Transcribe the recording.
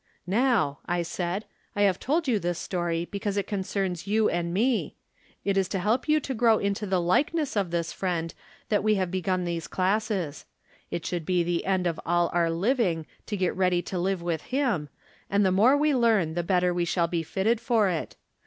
" Now," I said, " I have told you this story be cause it concerns you and me. It is to help 5'ou to grow into the likeness of this Friend that we From Different Standpoints. 163 have begun these classes. It should be the end of all our living to get ready to live with Him, and the more we learn the better we shall be fit ted for it.